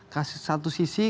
kasus satu sisi